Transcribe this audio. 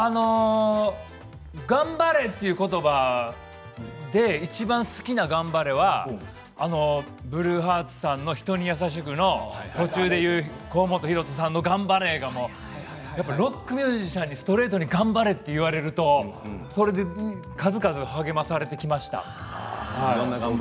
頑張れという言葉でいちばん好きな頑張ればブルーハーツさんの「人にやさしく」という甲本ヒロトさんの頑張れがロックミュージシャンにストレートに頑張れと言われると数々、励まされてきました。